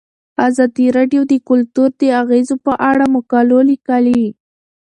ازادي راډیو د کلتور د اغیزو په اړه مقالو لیکلي.